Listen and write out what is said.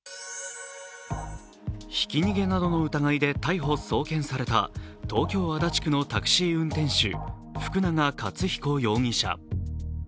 ひき逃げなどの疑いで逮捕・送検された東京・足立区のタクシー運転手・福永克彦容疑者。